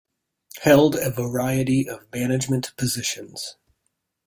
Held a variety of management positions.